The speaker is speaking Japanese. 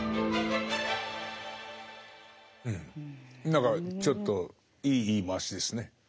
何かちょっといい言い回しですね。